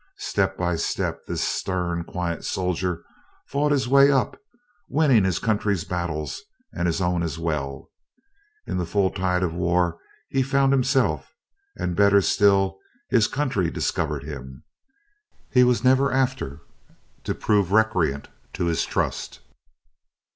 Step by step this stern, quiet soldier fought his way up, winning his country's battles and his own as well. In the full tide of war he found himself and better still his country discovered him. He was never after to prove recreant to his trust.